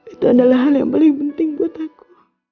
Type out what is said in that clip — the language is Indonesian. itu adalah hal yang paling penting buat aku